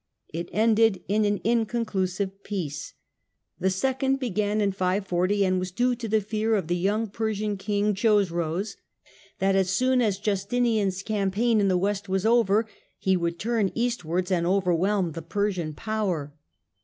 It ended in an inconclusive peace. The second began in 540, 58 THE DAWN OF MEDIEVAL EUROPE and was due to the fear of the young Persian king, Chosroes, that, as soon as Justinian's campaign in the west was over, he would turn eastwards and overwhelm the Persian power.